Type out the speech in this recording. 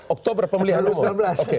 dua puluh oktober pemilihan lo